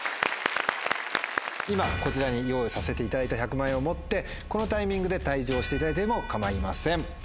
今こちらに用意させていただいた１００万円を持ってこのタイミングで退場していただいても構いません。